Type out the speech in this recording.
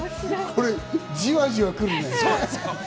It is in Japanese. これじわじわくるね。